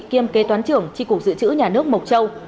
kiêm kế toán trưởng tri cục dự trữ nhà nước mộc châu